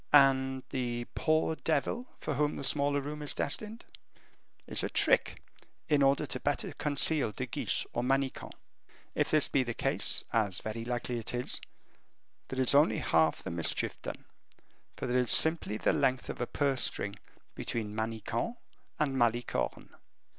And the 'poor devil,' for whom the smaller room is destined, is a trick, in order to better conceal De Guiche or Manicamp. If this be the case, as very likely it is, there is only half the mischief done, for there is simply the length of a purse string between Manicamp and Malicorne."